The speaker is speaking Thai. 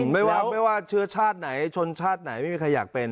ไม่ว่าไม่ว่าเชื้อชาติไหนชนชาติไหนไม่มีใครอยากเป็น